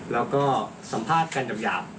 แล้วก็สัมภาษณ์กันหยาบ